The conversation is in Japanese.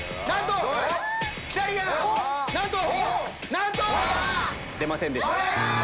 なんと‼出ませんでした。